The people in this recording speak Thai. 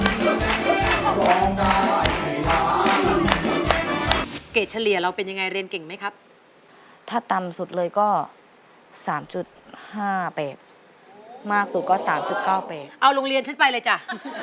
แม่บ้างใจได้เกรดเฉลี่ยเราเป็นยังไงเรนเก่งไหมครับถ้าต่ำสุดเลยก็๓๕เป็ดมากสูงก็๓๙เป็ดเอาโรงเรียนฉันไปเลยจ๊ะ